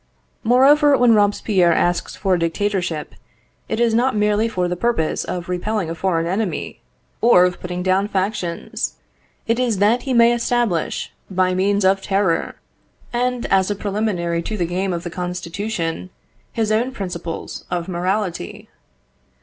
Moreover, when Robespierre asks for a dictatorship, it is not merely for the purpose of repelling a foreign enemy, or of putting down factions; it is that he may establish, by means of terror, and as a preliminary to the game of the Constitution, his own principles of morality.